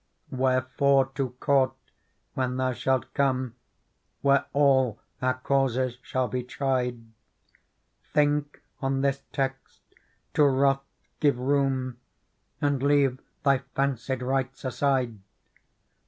Wherefore to court when thou shalt come, Where all our causes shall be tried. Think on this text ; to wrath give room ; And leave thy fancied rights aside.